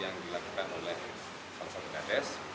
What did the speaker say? yang dilakukan oleh pak bapak bapak des